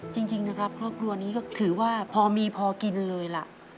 จริงนะครับครอบครัวนี้ก็ถือว่าพอมีพอกินเลยล่ะ